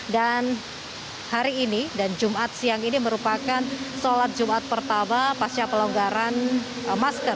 dan hari ini dan jumat siang ini merupakan sholat jumat pertama pasca pelonggaran masker